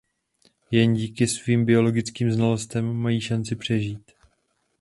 Jen díky svým biologickým znalostem mají šanci přežít...